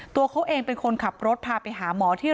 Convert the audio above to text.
ตัวเขาเองเป็นคนขับรถพาไปหาหมอที่